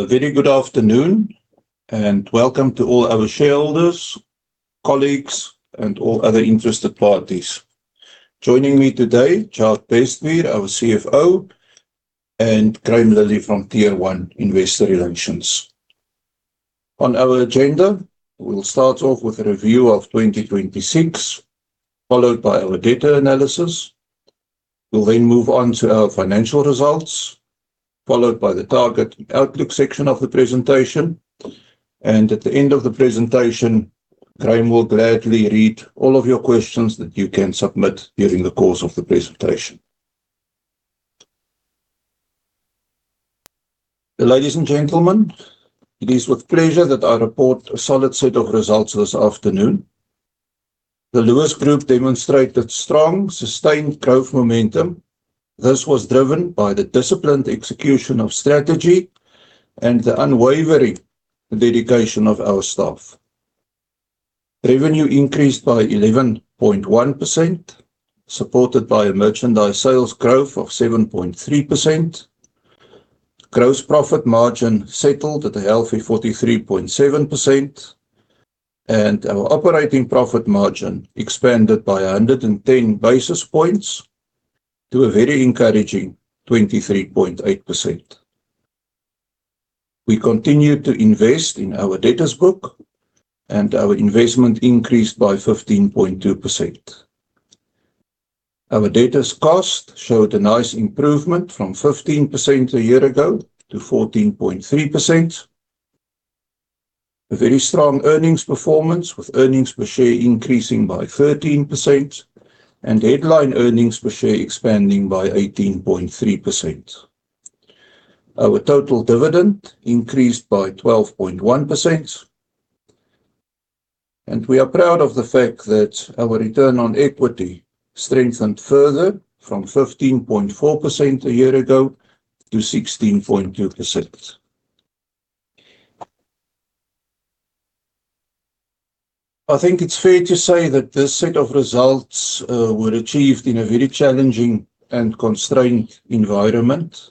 A very good afternoon, and welcome to all our shareholders, colleagues, and all other interested parties. Joining me today, Jacques Bestbier, our CFO, and Graeme Lillie from Tier 1 Investor Relations. On our agenda, we'll start off with a review of 2026, followed by our debtor analysis. We'll then move on to our financial results, followed by the target and outlook section of the presentation. At the end of the presentation, Graeme will gladly read all of your questions that you can submit during the course of the presentation. Ladies and gentlemen, it is with pleasure that I report a solid set of results this afternoon. The Lewis Group demonstrated strong, sustained growth momentum. This was driven by the disciplined execution of strategy and the unwavering dedication of our staff. Revenue increased by 11.1%, supported by a merchandise sales growth of 7.3%. Gross profit margin settled at a healthy 43.7%, and our operating profit margin expanded by 110 basis points to a very encouraging 23.8%. We continued to invest in our debtors book, and our investment increased by 15.2%. Our debtors cost showed a nice improvement from 15% a year ago to 14.3%. A very strong earnings performance with earnings per share increasing by 13% and headline earnings per share expanding by 18.3%. Our total dividend increased by 12.1%, and we are proud of the fact that our return on equity strengthened further from 15.4% a year ago to 16.2%. I think it's fair to say that this set of results were achieved in a very challenging and constrained environment.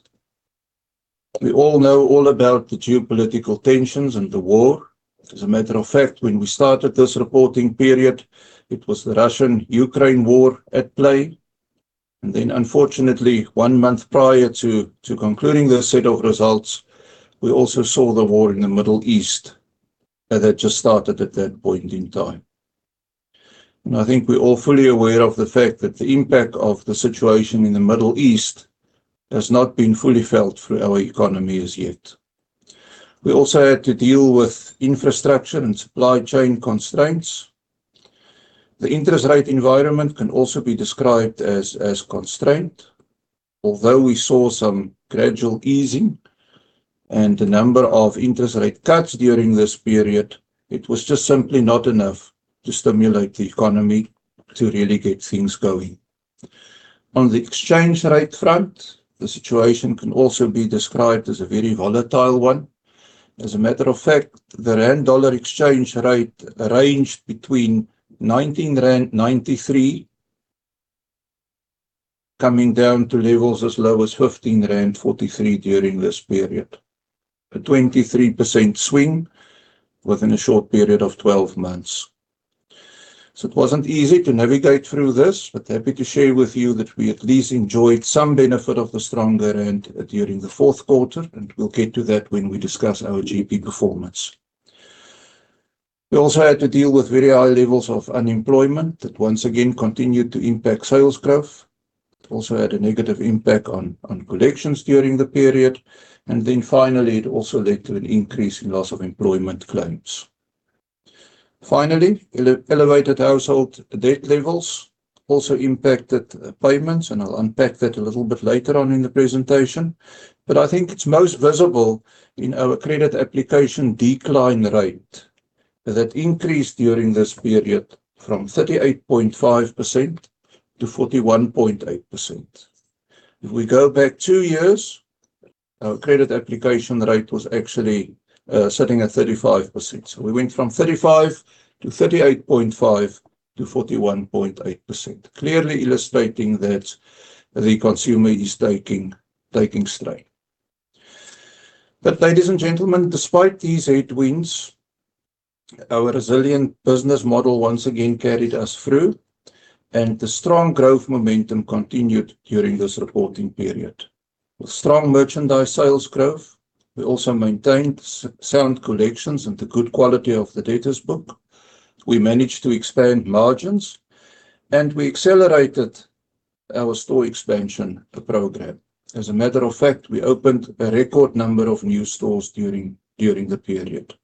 We all know all about the geopolitical tensions and the war. As a matter of fact, when we started this reporting period, it was the Russian-Ukraine war at play. Unfortunately, one month prior to concluding this set of results, we also saw the war in the Middle East that had just started at that point in time. I think we're all fully aware of the fact that the impact of the situation in the Middle East has not been fully felt through our economy as yet. We also had to deal with infrastructure and supply chain constraints. The interest rate environment can also be described as constrained. Although we saw some gradual easing and the number of interest rate cuts during this period, it was just simply not enough to stimulate the economy to really get things going. On the exchange rate front, the situation can also be described as a very volatile one. As a matter of fact, the rand-dollar exchange rate ranged between 19.93 coming down to levels as low as 15.43 rand during this period, a 23% swing within a short period of 12 months. It wasn't easy to navigate through this, but happy to share with you that we at least enjoyed some benefit of the stronger rand during the fourth quarter, and we'll get to that when we discuss our GP performance. We also had to deal with very high levels of unemployment that once again continued to impact sales growth. It also had a negative impact on collections during the period, and then finally, it also led to an increase in loss of employment claims. Finally, elevated household debt levels also impacted payments, and I'll unpack that a little bit later on in the presentation, but I think it's most visible in our credit application decline rate that increased during this period from 38.5% to 41.8%. If we go back two years, our credit application rate was actually sitting at 35%. We went from 35% to 38.5% to 41.8%, clearly illustrating that the consumer is taking strain. Ladies and gentlemen, despite these headwinds, our resilient business model once again carried us through, and the strong growth momentum continued during this reporting period. With strong merchandise sales growth, we also maintained sound collections and the good quality of the debtors book. We managed to expand margins, and we accelerated our store expansion program. As a matter of fact, we opened a record number of new stores during the period.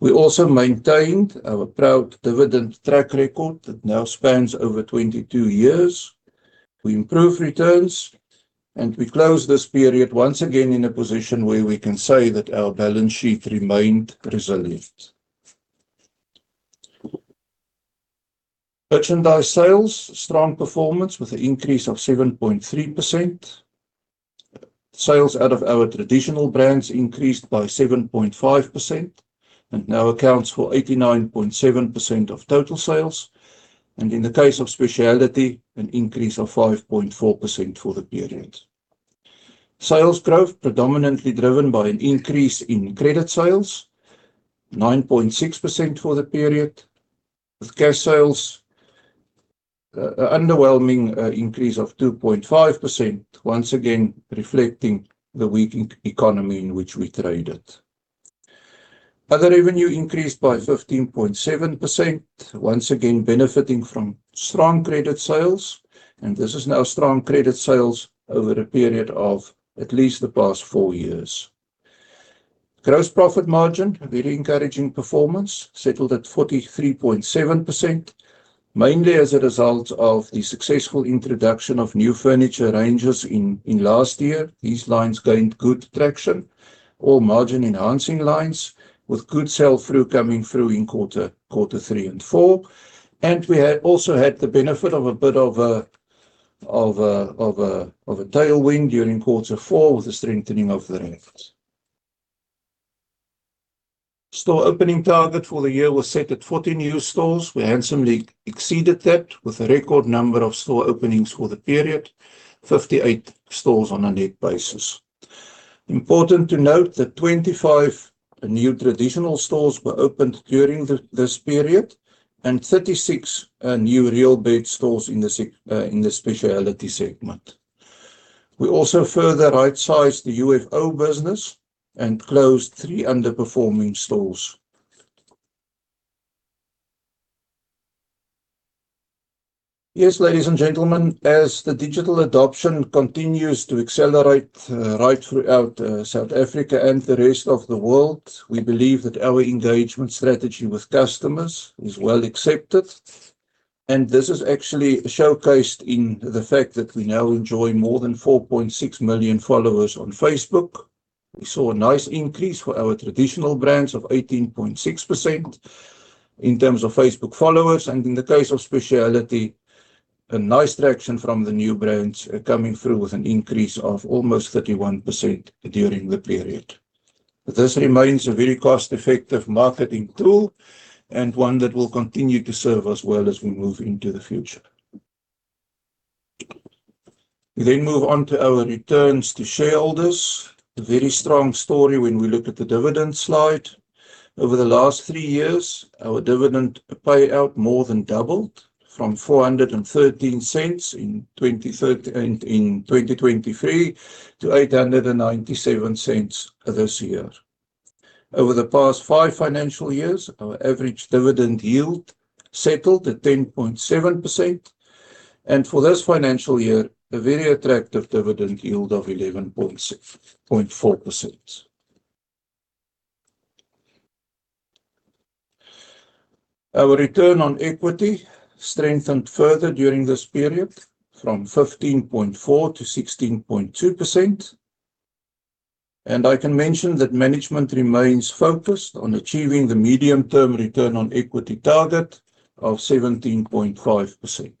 We also maintained our proud dividend track record that now spans over 22 years. We improved returns, and we closed this period once again in a position where we can say that our balance sheet remained resilient. Merchandise sales, strong performance with an increase of 7.3%. Sales out of our traditional brands increased by 7.5% and now accounts for 89.7% of total sales. In the case of speciality, an increase of 5.4% for the period. Sales growth predominantly driven by an increase in credit sales, 9.6% for the period. With cash sales, an underwhelming increase of 2.5%, once again reflecting the weakened economy in which we traded. Other revenue increased by 15.7%, once again benefiting from strong credit sales, and this is now strong credit sales over a period of at least the past four years. Gross profit margin, a very encouraging performance, settled at 43.7%, mainly as a result of the successful introduction of new furniture ranges in last year. These lines gained good traction. All margin-enhancing lines with good sell-through coming through in quarter three and four. We also had the benefit of a bit of a tailwind during quarter four with the strengthening of the rand. Store opening target for the year was set at 40 new stores. We handsomely exceeded that with a record number of store openings for the period, 58 stores on a net basis. Important to note that 25 new traditional stores were opened during this period and 36 new Real Beds stores in the speciality segment. We also further right-sized the UFO business and closed three underperforming stores. Yes, ladies and gentlemen, as the digital adoption continues to accelerate right throughout South Africa and the rest of the world, we believe that our engagement strategy with customers is well-accepted. This is actually showcased in the fact that we now enjoy more than 4.6 million followers on Facebook. We saw a nice increase for our traditional brands of 18.6% in terms of Facebook followers, and in the case of speciality, a nice traction from the new brands coming through with an increase of almost 31% during the period. This remains a very cost-effective marketing tool and one that will continue to serve us well as we move into the future. We move on to our returns to shareholders. A very strong story when we look at the dividend slide. Over the last three years, our dividend payout more than doubled from 0.413 in 2023 to 0.897 this year. Over the past five financial years, our average dividend yield settled at 10.7%, and for this financial year, a very attractive dividend yield of 11.4%. Our return on equity strengthened further during this period from 15.4% to 16.2%. I can mention that management remains focused on achieving the medium-term return on equity target of 17.5%.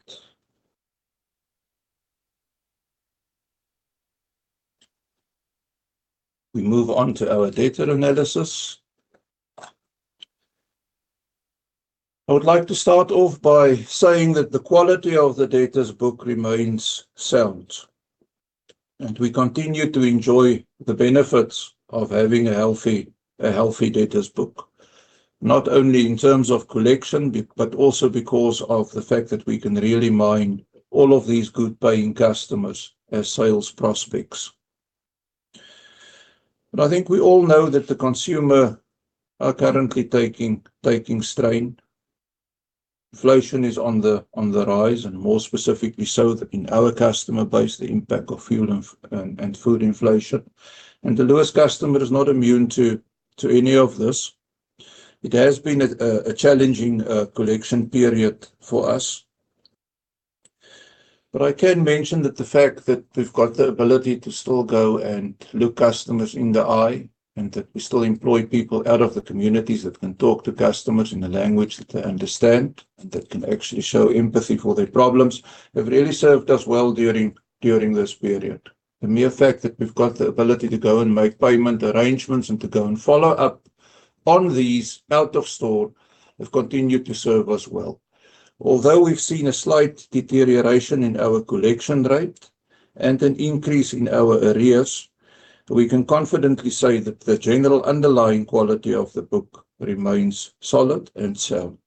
We move on to our debtor analysis. I would like to start off by saying that the quality of the debtors book remains sound. We continue to enjoy the benefits of having a healthy debtors book, not only in terms of collection, but also because of the fact that we can really mine all of these good paying customers as sales prospects. I think we all know that the consumer are currently taking strain. Inflation is on the rise, and more specifically so in our customer base, the impact of fuel and food inflation. The Lewis customer is not immune to any of this. It has been a challenging collection period for us. I can mention that the fact that we've got the ability to still go and look customers in the eye, and that we still employ people out of the communities that can talk to customers in a language that they understand and that can actually show empathy for their problems, have really served us well during this period. The mere fact that we've got the ability to go and make payment arrangements and to go and follow up on these out of store have continued to serve us well. Although we've seen a slight deterioration in our collection rate and an increase in our arrears, we can confidently say that the general underlying quality of the book remains solid and sound.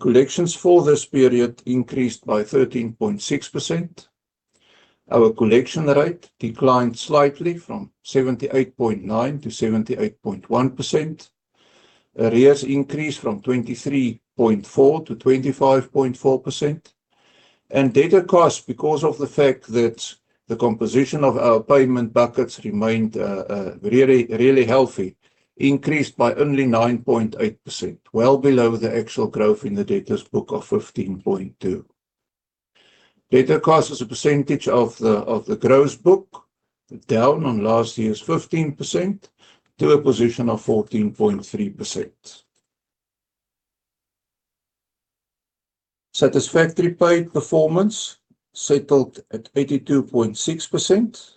Collections for this period increased by 13.6%. Our collection rate declined slightly from 78.9% to 78.1%. Arrears increased from 23.4% to 25.4%. Debtor costs, because of the fact that the composition of our payment buckets remained really healthy, increased by only 9.8%, well below the actual growth in the debtors book of 15.2%. Debtor cost as a percentage of the gross book, down on last year's 15% to a position of 14.3%. Satisfactory paid performance settled at 82.6%.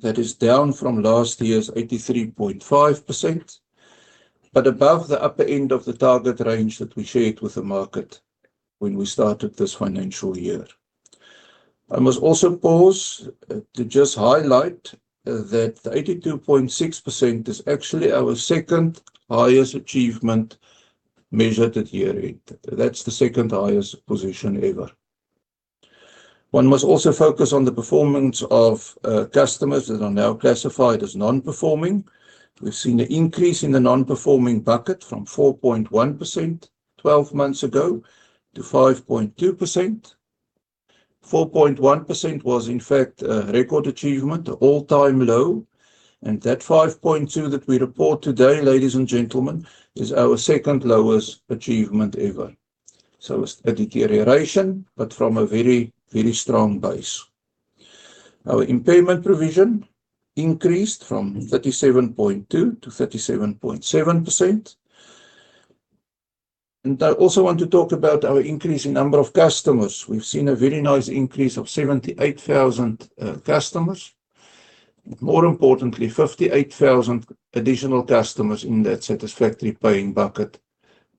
That is down from last year's 83.5%, but above the upper end of the target range that we shared with the market when we started this financial year. I must also pause to just highlight that the 82.6% is actually our second-highest achievement measured at year-end. That's the second-highest position ever. One must also focus on the performance of customers that are now classified as non-performing. We've seen an increase in the non-performing bucket from 4.1% 12 months ago to 5.2%. 4.1% was, in fact, a record achievement, the all-time low, and that 5.2% that we report today, ladies and gentlemen, is our second lowest achievement ever. It's a deterioration, but from a very, very strong base. Our impairment provision increased from 37.2% to 37.7%. I also want to talk about our increase in number of customers. We've seen a very nice increase of 78,000 customers. More importantly, 58,000 additional customers in that satisfactory paying bucket,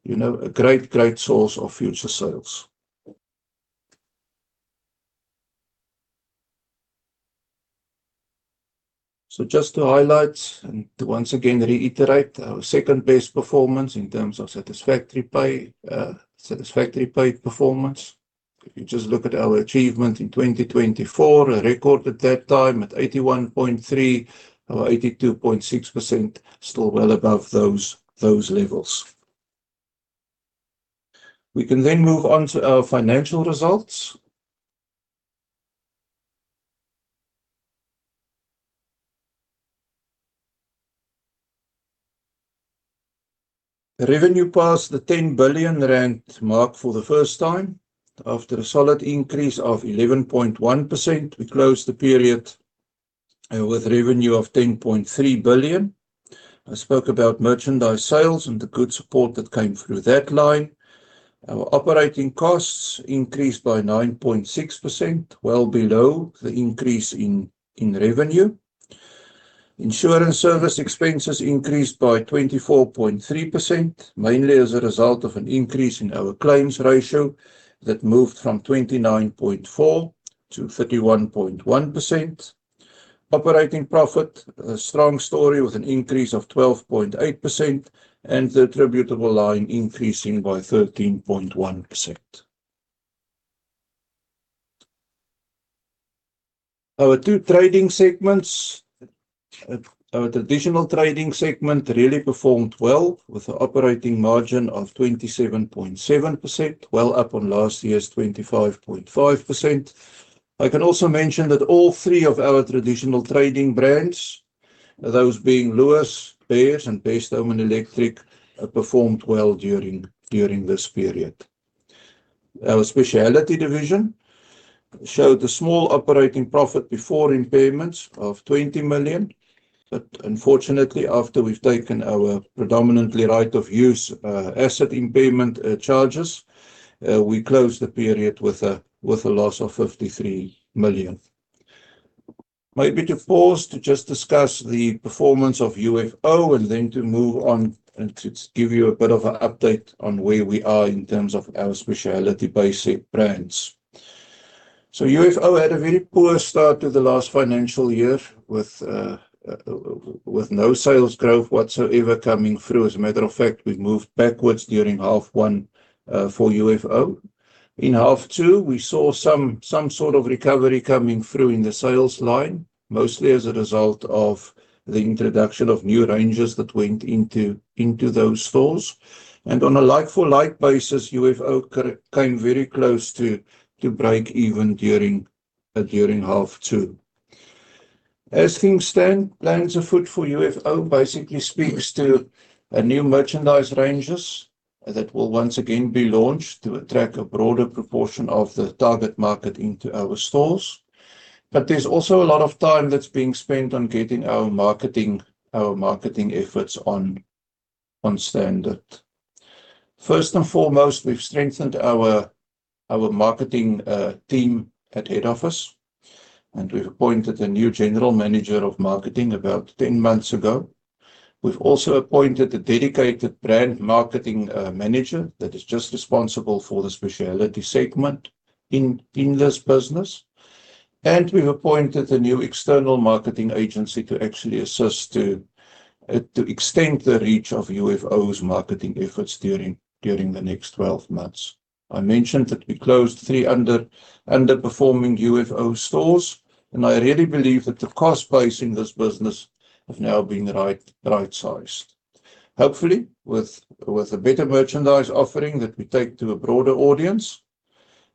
a great, great source of future sales. Just to highlight and to once again reiterate our second-best performance in terms of satisfactory paid performance, if you just look at our achievement in 2024, a record at that time at 81.3% or 82.6%, still well above those levels. We can move on to our financial results. Revenue passed the 10 billion rand mark for the first time. After a solid increase of 11.1%, we closed the period with revenue of 10.3 billion. I spoke about merchandise sales and the good support that came through that line. Our operating costs increased by 9.6%, well below the increase in revenue. Insurance service expenses increased by 24.3%, mainly as a result of an increase in our claims ratio that moved from 29.4% to 31.1%. Operating profit, a strong story with an increase of 12.8% and the attributable line increasing by 13.1%. Our two trading segments. Our traditional trading segment really performed well with an operating margin of 27.7%, well up on last year's 25.5%. I can also mention that all three of our traditional trading brands, those being Lewis, Beares, and Best Home & Electric, performed well during this period. Our speciality division showed a small operating profit before impairments of 20 million. Unfortunately, after we've taken our predominantly right-of-use asset impairment charges, we closed the period with a loss of 53 million. Maybe to pause to just discuss the performance of UFO and then to move on and to give you a bit of an update on where we are in terms of our speciality basic brands. UFO had a very poor start to the last financial year with no sales growth whatsoever coming through. As a matter of fact, we moved backwards during half one for UFO. In half two, we saw some sort of recovery coming through in the sales line, mostly as a result of the introduction of new ranges that went into those stores. On a like-for-like basis, UFO came very close to break even during half two. As things stand, plans afoot for UFO basically speaks to a new merchandise ranges that will once again be launched to attract a broader proportion of the target market into our stores. There's also a lot of time that's being spent on getting our marketing efforts on standard. First and foremost, we've strengthened our marketing team at head office. We've appointed a new general manager of marketing about 10 months ago. We've also appointed a dedicated brand marketing manager that is just responsible for the speciality segment in this business. We've appointed a new external marketing agency to actually assist to extend the reach of UFO's marketing efforts during the next 12 months. I mentioned that we closed three underperforming UFO stores, and I really believe that the cost base in this business have now been right-sized. Hopefully, with a better merchandise offering that we take to a broader audience,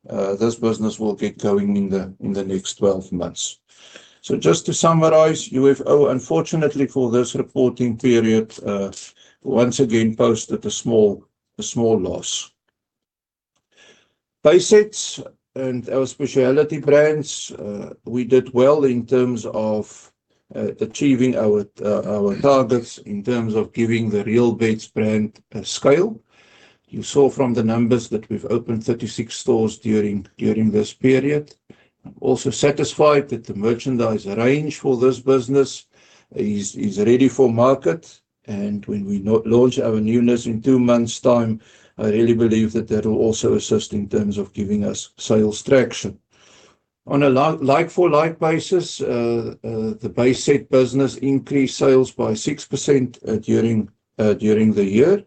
this business will get going in the next 12 months. Just to summarize, UFO, unfortunately for this reporting period, once again posted a small loss. Basics and our speciality brands, we did well in terms of achieving our targets in terms of giving the Real Beds brand a scale. You saw from the numbers that we've opened 36 stores during this period. I'm also satisfied that the merchandise range for this business is ready for market. When we launch our newness in two months' time, I really believe that that will also assist in terms of giving us sales traction. On a like-for-like basis, the basic business increased sales by 6% during the year.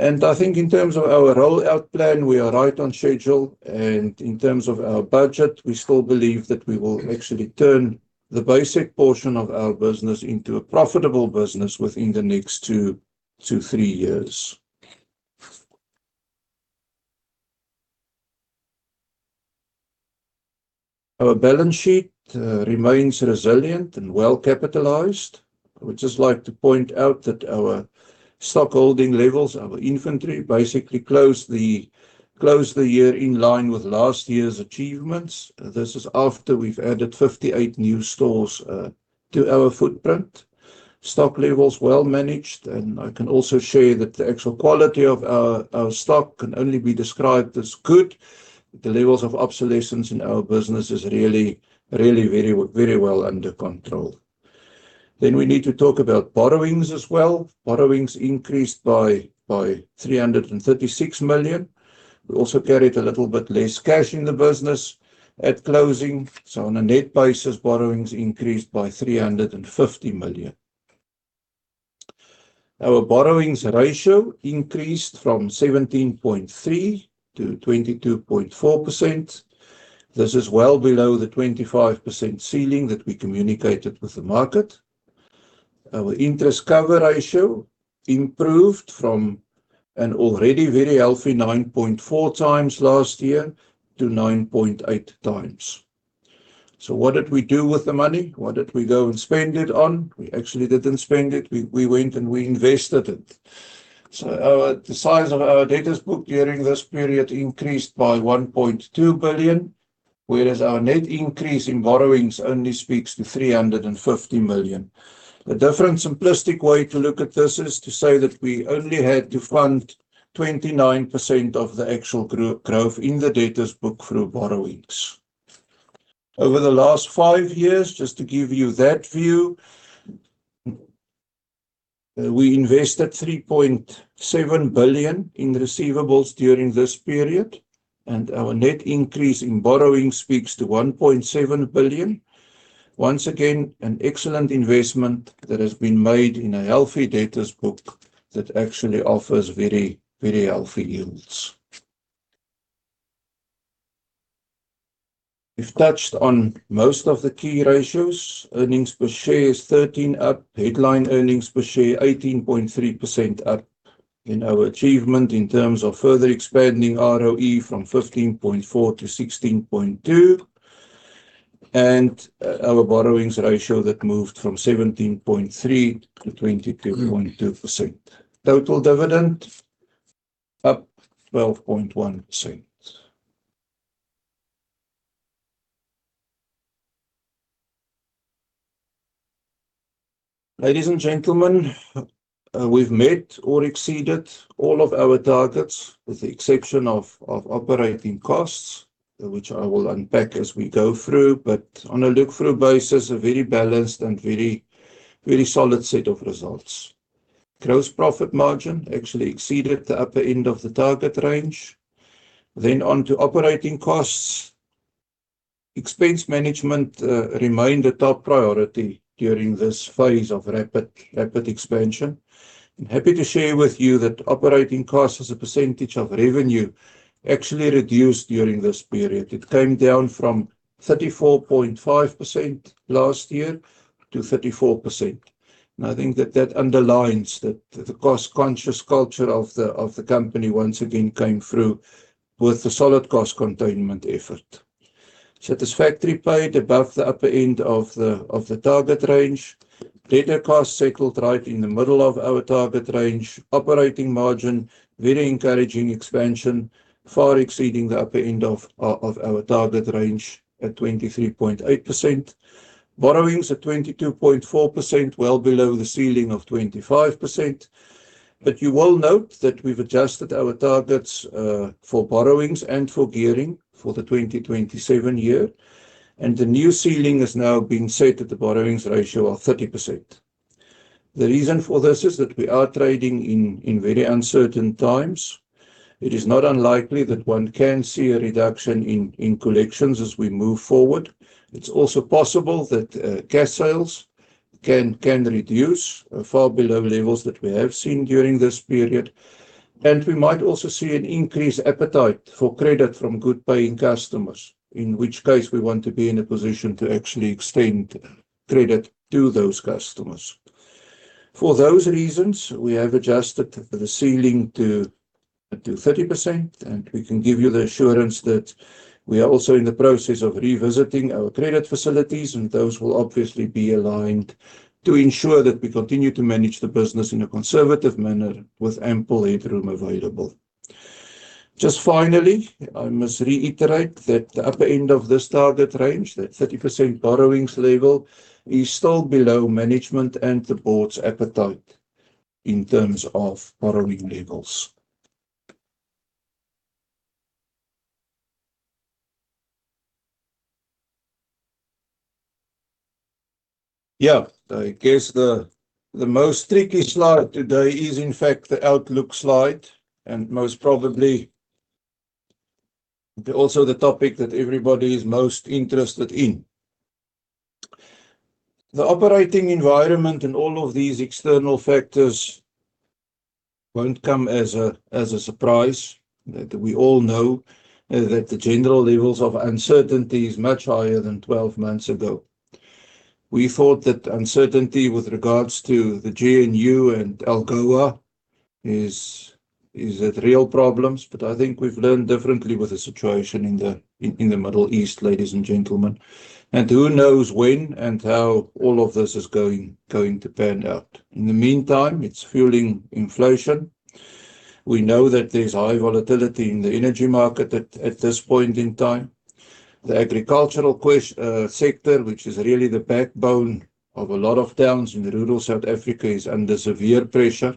I think in terms of our rollout plan, we are right on schedule. In terms of our budget, we still believe that we will actually turn the basic portion of our business into a profitable business within the next two to three years. Our balance sheet remains resilient and well-capitalized. I would just like to point out that our stock holding levels, our inventory, basically closed the year in line with last year's achievements. This is after we've added 58 new stores to our footprint. Stock levels well-managed, and I can also share that the actual quality of our stock can only be described as good. The levels of obsolescence in our business is really very well under control. We need to talk about borrowings as well. Borrowings increased by 336 million. We also carried a little bit less cash in the business at closing. On a net basis, borrowings increased by 350 million. Our borrowings ratio increased from 17.3% to 22.4%. This is well below the 25% ceiling that we communicated with the market. Our interest cover ratio improved from an already very healthy 9.4x last year to 9.8x. What did we do with the money? What did we go and spend it on? We actually didn't spend it. We went and we invested it. The size of our debtors book during this period increased by 1.2 billion, whereas our net increase in borrowings only speaks to 350 million. A different simplistic way to look at this is to say that we only had to fund 29% of the actual growth in the debtors book through borrowings. Over the last five years, just to give you that view, we invested 3.7 billion in receivables during this period, and our net increase in borrowing speaks to 1.7 billion. Once again, an excellent investment that has been made in a healthy debtors book that actually offers very healthy yields. We've touched on most of the key ratios. Earnings per share is 13% up, headline earnings per share 18.3% up. In our achievement in terms of further expanding ROE from 15.4% to 16.2%. Our borrowings ratio that moved from 17.3% to 22.2%. Total dividend up 12.1%. Ladies and gentlemen, we've met or exceeded all of our targets, with the exception of operating costs, which I will unpack as we go through, but on a look-through basis, a very balanced and very solid set of results. Gross profit margin actually exceeded the upper end of the target range. On to operating costs. Expense management remained a top priority during this phase of rapid expansion. I'm happy to share with you that operating costs as a percentage of revenue actually reduced during this period. It came down from 34.5% last year to 34%. I think that that underlines that the cost-conscious culture of the company once again came through with a solid cost containment effort. Satisfactory paid above the upper end of the target range. Debtor cost settled right in the middle of our target range. Operating margin, very encouraging expansion, far exceeding the upper end of our target range at 23.8%. Borrowings at 22.4%, well below the ceiling of 25%. You will note that we've adjusted our targets for borrowings and for gearing for the 2027 year. The new ceiling is now being set at the borrowings ratio of 30%. The reason for this is that we are trading in very uncertain times. It is not unlikely that one can see a reduction in collections as we move forward. It's also possible that cash sales can reduce far below levels that we have seen during this period. We might also see an increased appetite for credit from good paying customers, in which case we want to be in a position to actually extend credit to those customers. For those reasons, we have adjusted the ceiling to 30%, and we can give you the assurance that we are also in the process of revisiting our credit facilities, and those will obviously be aligned to ensure that we continue to manage the business in a conservative manner with ample headroom available. Just finally, I must reiterate that the upper end of this target range, that 30% borrowings level, is still below management and the board's appetite in terms of borrowing levels. Yeah. I guess the most tricky slide today is, in fact, the outlook slide, and most probably, also the topic that everybody is most interested in. The operating environment and all of these external factors won't come as a surprise. We all know that the general levels of uncertainty is much higher than 12 months ago. We thought that uncertainty with regards to the GNU and AGOA is real problems, but I think we've learned differently with the situation in the Middle East, ladies and gentlemen, and who knows when and how all of this is going to pan out. In the meantime, it's fueling inflation. We know that there's high volatility in the energy market at this point in time. The agricultural sector, which is really the backbone of a lot of towns in rural South Africa, is under severe pressure.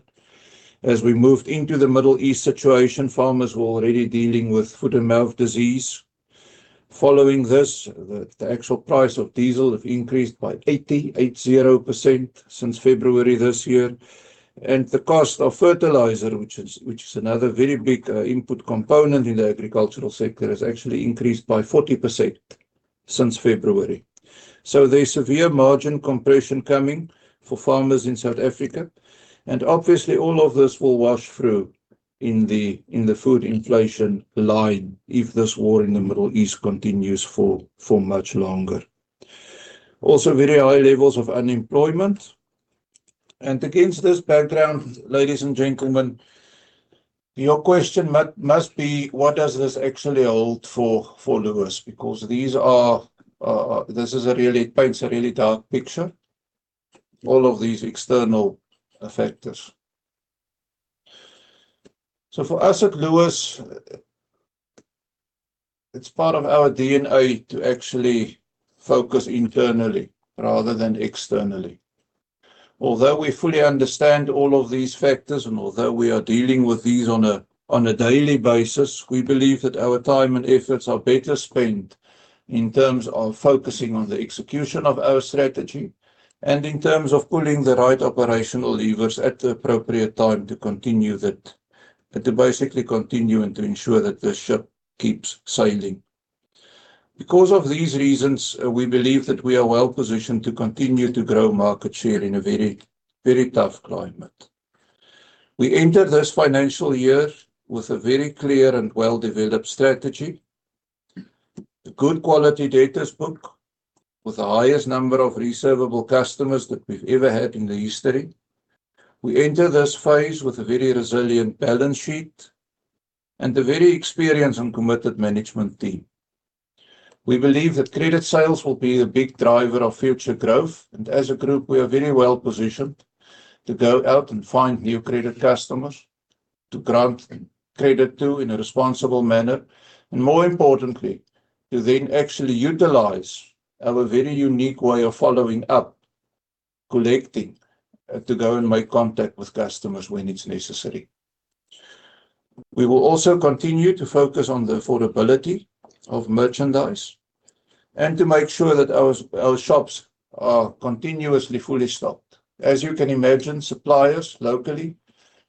As we moved into the Middle East situation, farmers were already dealing with foot-and-mouth disease. Following this, the actual price of diesel have increased by 80% since February this year. The cost of fertilizer, which is another very big input component in the agricultural sector, has actually increased by 40% since February. There's severe margin compression coming for farmers in South Africa. Obviously, all of this will wash through in the food inflation line if this war in the Middle East continues for much longer. Also, very high levels of unemployment. Against this background, ladies and gentlemen, your question must be: what does this actually hold for Lewis? Because this paints a really dark picture, all of these external factors. For us at Lewis, it's part of our DNA to actually focus internally rather than externally. Although we fully understand all of these factors and although we are dealing with these on a daily basis, we believe that our time and efforts are better spent in terms of focusing on the execution of our strategy and in terms of pulling the right operational levers at the appropriate time to continue that, but to basically continue and to ensure that the ship keeps sailing. Because of these reasons, we believe that we are well-positioned to continue to grow market share in a very tough climate. We enter this financial year with a very clear and well-developed strategy, good quality debtors book with the highest number of reservable customers that we've ever had in the history. We enter this phase with a very resilient balance sheet and a very experienced and committed management team. We believe that credit sales will be a big driver of future growth, and as a group, we are very well-positioned to go out and find new credit customers to grant credit to in a responsible manner. More importantly, to then actually utilize our very unique way of following up, collecting, to go and make contact with customers when it's necessary. We will also continue to focus on the affordability of merchandise and to make sure that our shops are continuously fully stocked. As you can imagine, suppliers, locally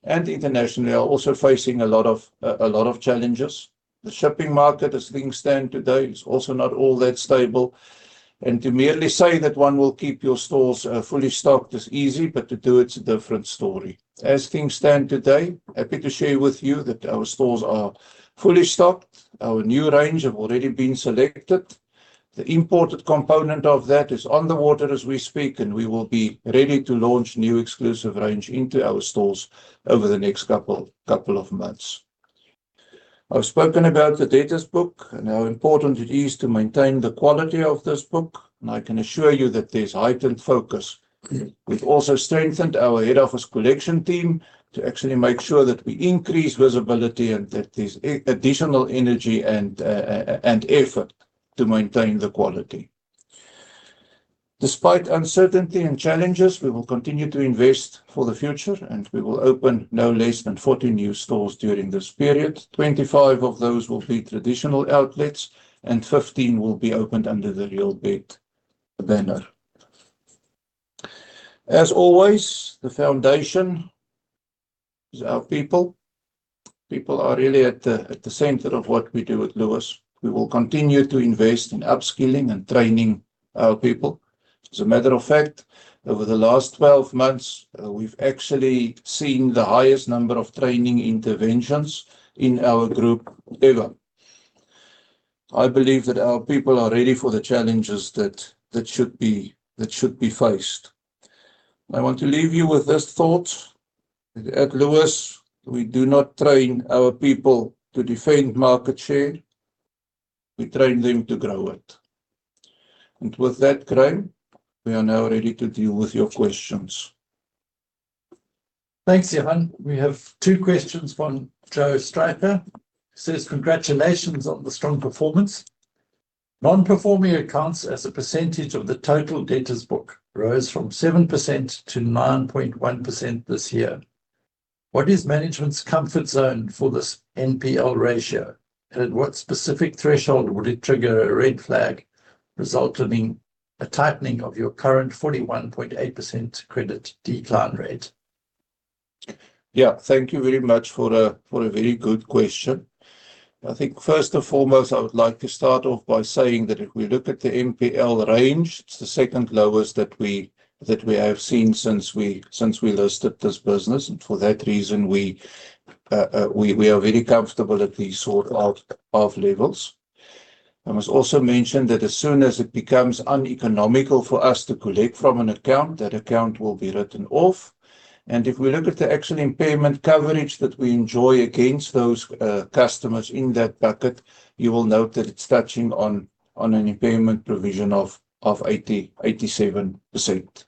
and internationally, are also facing a lot of challenges. The shipping market, as things stand today, is also not all that stable. To merely say that one will keep your stores fully stocked is easy, but to do it is a different story. As things stand today, happy to share with you that our stores are fully stocked. Our new range have already been selected. The imported component of that is on the water as we speak, and we will be ready to launch new exclusive range into our stores over the next couple of months. I've spoken about the debtors book and how important it is to maintain the quality of this book. I can assure you that there's heightened focus. We've also strengthened our head office collection team to actually make sure that we increase visibility and that there's additional energy and effort to maintain the quality. Despite uncertainty and challenges, we will continue to invest for the future. We will open no less than 40 new stores during this period. 25 of those will be traditional outlets, and 15 will be opened under the Real Beds banner. As always, the foundation is our people. People are really at the center of what we do at Lewis. We will continue to invest in upskilling and training our people. As a matter of fact, over the last 12 months, we've actually seen the highest number of training interventions in our group ever. I believe that our people are ready for the challenges that should be faced. I want to leave you with this thought. At Lewis, we do not train our people to defend market share. We train them to grow it. With that, Graeme, we are now ready to deal with your questions. Thanks, Johan. We have two questions from [Joe Straker]. Says, "Congratulations on the strong performance. Non-performing accounts as a percentage of the total debtors book rose from 7% to 9.1% this year. What is management's comfort zone for this NPL ratio, and at what specific threshold would it trigger a red flag resulting a tightening of your current 41.8% credit decline rate?" Yeah. Thank you very much for a very good question. I think first and foremost, I would like to start off by saying that if we look at the NPL range, it's the second lowest that we have seen since we listed this business. For that reason, we are very comfortable at these sort of levels. I must also mention that as soon as it becomes uneconomical for us to collect from an account, that account will be written off. If we look at the actual impairment coverage that we enjoy against those customers in that bucket, you will note that it's touching on an impairment provision of 87%.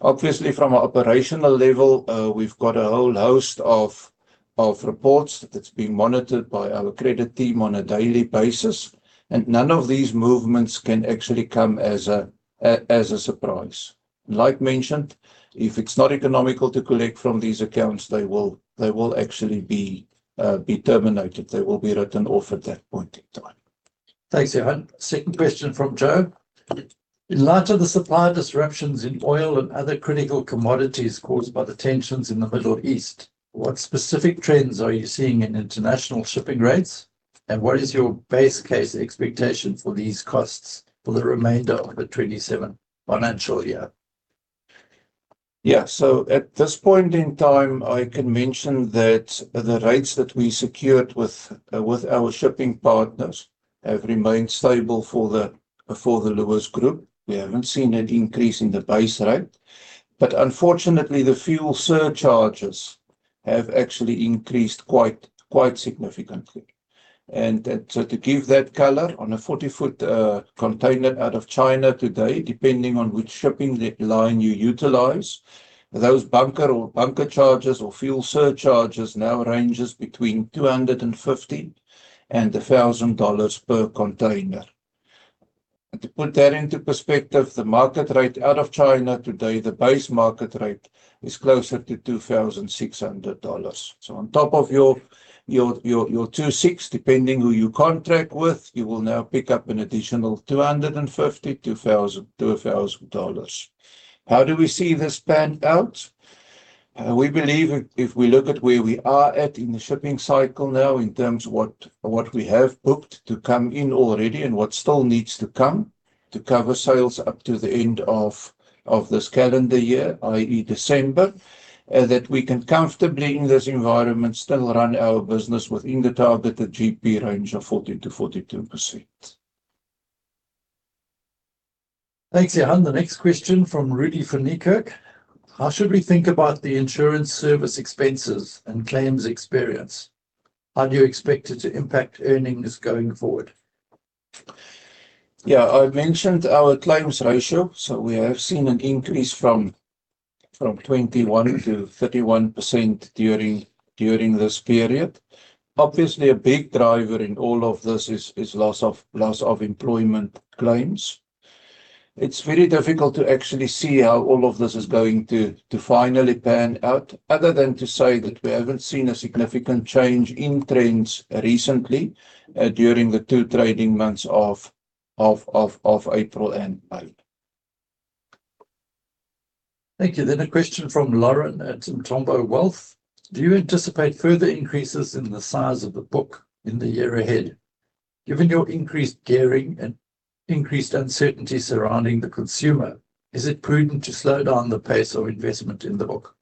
Obviously, from an operational level, we've got a whole host of reports that's being monitored by our credit team on a daily basis, and none of these movements can actually come as a surprise. Like mentioned, if it's not economical to collect from these accounts, they will actually be terminated. They will be written off at that point in time. Thanks, Johan. Second question from Joe. "In light of the supply disruptions in oil and other critical commodities caused by the tensions in the Middle East, what specific trends are you seeing in international shipping rates, and what is your base case expectation for these costs for the remainder of the 2027 financial year?" Yeah. At this point in time, I can mention that the rates that we secured with our shipping partners have remained stable for the Lewis Group. We haven't seen an increase in the base rate. Unfortunately, the fuel surcharges have actually increased quite significantly. To give that color, on a 40-ft container out of China today, depending on which shipping line you utilize, those bunker charges or fuel surcharges now ranges between $250-$1,000 per container. To put that into perspective, the market rate out of China today, the base market rate is closer to $2,600. On top of your $2,600, depending who you contract with, you will now pick up an additional $250-$1,000. How do we see this panned out? We believe if we look at where we are at in the shipping cycle now, in terms what we have booked to come in already and what still needs to come to cover sales up to the end of this calendar year, i.e. December, that we can comfortably, in this environment, still run our business within the targeted GP range of 40%-42%. Thanks, Johan. The next question from Rudi van Niekerk. "How should we think about the insurance service expenses and claims experience? How do you expect it to impact earnings going forward?" Yeah. I mentioned our claims ratio, so we have seen an increase from 21% to 31% during this period. Obviously, a big driver in all of this is loss of employment claims. It's very difficult to actually see how all of this is going to finally pan out, other than to say that we haven't seen a significant change in trends recently, during the two trading months of April and May. Thank you. A question from Lauren at Umthombo Wealth. "Do you anticipate further increases in the size of the book in the year ahead? Given your increased gearing and increased uncertainty surrounding the consumer, is it prudent to slow down the pace of investment in the book?"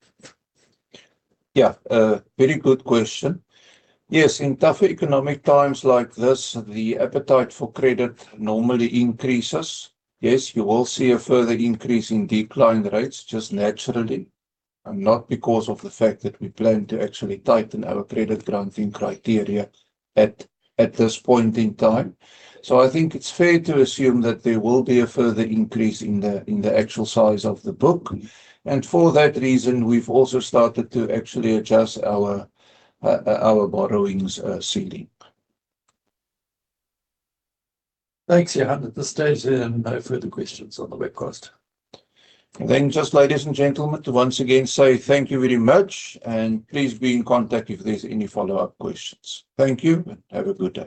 Yeah. A very good question. Yes, in tough economic times like this, the appetite for credit normally increases. Yes, you will see a further increase in decline rates just naturally, and not because of the fact that we plan to actually tighten our credit granting criteria at this point in time. I think it's fair to assume that there will be a further increase in the actual size of the book. For that reason, we've also started to actually adjust our borrowings ceiling. Thanks, Johan. At this stage, there are no further questions on the webcast. Just, ladies and gentlemen, to once again say thank you very much, and please be in contact if there's any follow-up questions. Thank you. Have a good day.